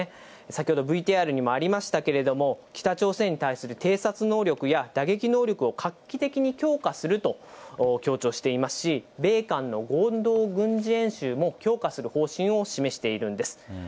先ほどＶＴＲにもありましたけれども、北朝鮮に対する偵察能力や打撃能力を画期的に強化すると強調していますし、米韓の合同軍事演習も強化する方針を示しているんです。